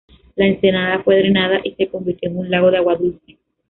La ensenada fue drenada y se convirtió en un lago de agua dulce.